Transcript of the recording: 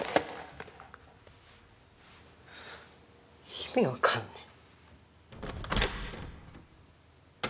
意味わかんねえ。